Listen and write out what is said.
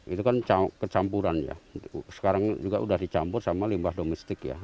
itu kan kecampuran ya sekarang juga sudah dicampur sama limbah domestik ya